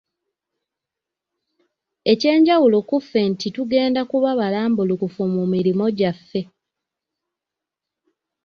Ekyenjawulo kuffe nti tugenda kuba balambulukufu mu mirimu gyaffe.